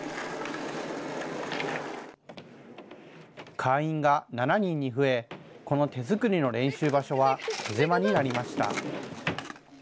会員が７人に増え、この手作りの練習場所は手狭になりました。